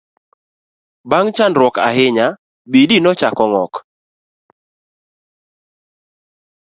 bang' chandruok ahinya, Bidii nochako ng'ok